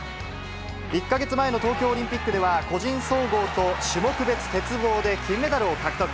１か月前の東京オリンピックでは、個人総合と、種目別鉄棒で金メダルを獲得。